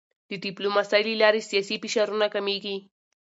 د ډیپلوماسی له لارې سیاسي فشارونه کمېږي.